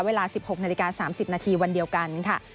เวลา๑๖นาฬิกา๓๐นาทีวันเดียวกันค่ะ